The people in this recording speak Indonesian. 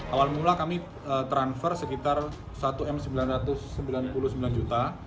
awal mula kami transfer sekitar satu m sembilan ratus sembilan puluh sembilan juta